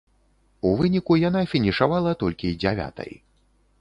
У выніку яна фінішавала толькі дзявятай.